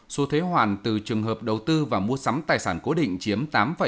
số thuế hoàn từ trường hợp đầu tư và mua sắm tài sản cố định chiếm tám tám